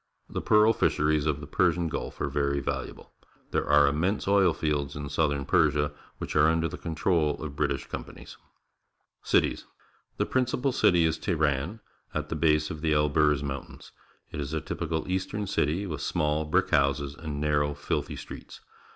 The pearl fisheries of the Persian Gulf are very valuable. There are immense oil fields in southern Persia, which are under the con trol of British companies. Cities. — The principal city is Teheran, at the base of the Elburz Mountains. It is a typical eastern city, with small, brick houses and narrow, filthy streets.